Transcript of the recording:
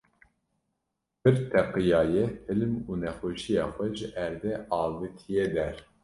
pir teqiyaye, hilm û nexweşiya xwe ji erdê avitiye der